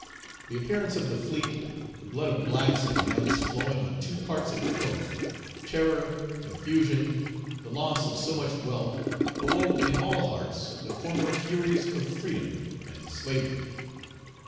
The appearance of the fleet, the blood of blacks and whites flowing on two parts of the coast, terror, confusion, the loss of so much wealth, awoke in all hearts the former furies of freedom and slavery.